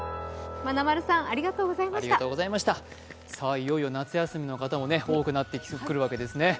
いよいよ夏休みの方も多くなってくるわけですね。